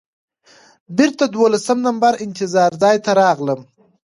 بېرته دولسم نمبر انتظار ځای ته راغلم.